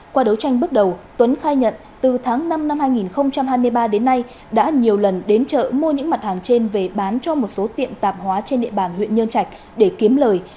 qua đấu tranh bước đầu tuấn khai nhận từ tháng năm năm hai nghìn hai mươi ba đến nay đã nhiều lần đến chợ mua những mặt hàng trên về bán cho một số tiệm tạp hóa trên địa bàn huyện nhân trạch để kiếm lời